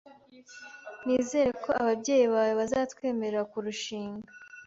Nizere ko ababyeyi bawe bazatwemerera kurushinga